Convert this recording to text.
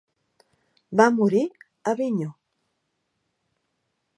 Va morir a Avignon.